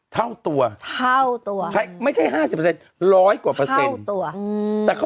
เท่าตัวใช่ไม่ใช่๕๐แหละ๑๐๐กว่าแค่เพราะตัวแต่เขา